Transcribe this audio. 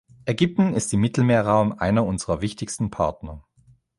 Ägypten ist im Mittelmeerraum einer unserer wichtigsten Partner.